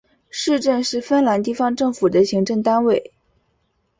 市镇是芬兰地方政府的行政单位。